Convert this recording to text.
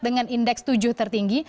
dengan indeks tujuh tertinggi